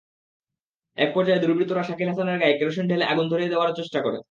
একপর্যায়ে দুর্বৃত্তরা শাকিল হাসানের গায়ে কেরোসিন ঢেলে আগুন ধরিয়ে দেওয়ারও চেষ্টা করে।